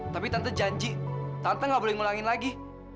tapi tante janji tante gak boleh ngulangin lagi